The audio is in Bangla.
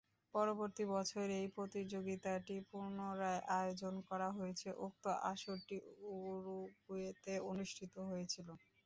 পরবর্তী বছর, এই প্রতিযোগিতাটি পুনরায় আয়োজন করা হয়েছে, উক্ত আসরটি উরুগুয়েতে অনুষ্ঠিত হয়েছিল।